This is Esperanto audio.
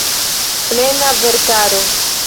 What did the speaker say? Plena verkaro.